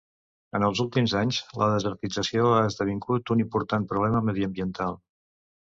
En els últims anys, la desertització ha esdevingut un important problema mediambiental.